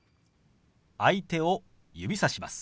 相手を指さします。